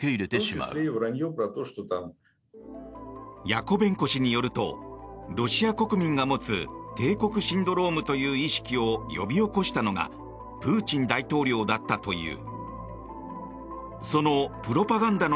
ヤコベンコ氏によるとロシア国民が持つ帝国シンドロームという意識を呼び起こしたのがプーチン大統領だったという。